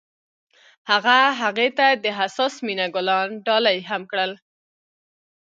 هغه هغې ته د حساس مینه ګلان ډالۍ هم کړل.